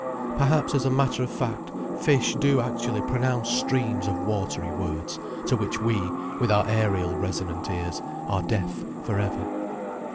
Perhaps as a matter of fact fish do actually pronounce streams of watery words, to which we, with our aerial resonant ears, are deaf for ever.